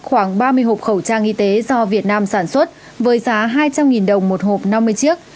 khoảng ba mươi hộp khẩu trang y tế do việt nam sản xuất với giá hai trăm linh đồng một hộp năm mươi chiếc